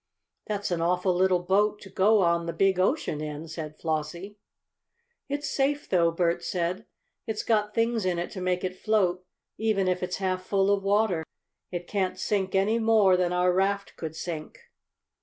"That's an awful little boat to go on the big ocean in," said Flossie. "It's safe, though," Bert said. "It's got things in it to make it float, even if it's half full of water. It can't sink any more than our raft could sink."